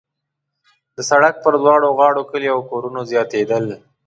د سړک پر دواړو غاړو کلي او کورونه زیاتېدل.